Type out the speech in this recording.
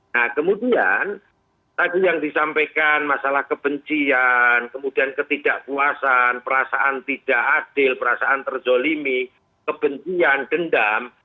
nah kemudian tadi yang disampaikan masalah kebencian kemudian ketidakpuasan perasaan tidak adil perasaan terzolimi kebencian dendam